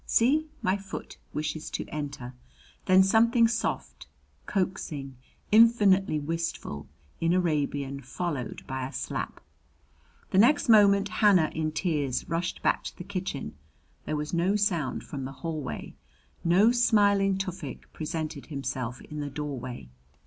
See, my foot wishes to enter!" Then something soft, coaxing, infinitely wistful, in Arabian followed by a slap. The next moment Hannah, in tears, rushed back to the kitchen. There was no sound from the hallway. No smiling Tufik presented himself in the doorway.